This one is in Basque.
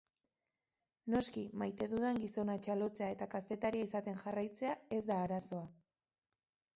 Noski, maite dudan gizona txalotzea eta kazetaria izaten jarraitzea ez da arazoa.